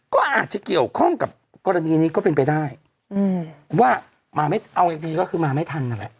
ก็อาจจะเกี่ยวข้องกับกรณีนี้ก็เป็นไปได้ว่ามาไม่เอาอย่างดีก็คือมาไม่ทันนั่นแหละ